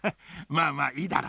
まあまあいいだろう。